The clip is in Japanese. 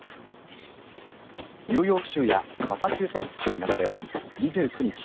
ニューヨーク州やマサチューセッツ州などでは２９日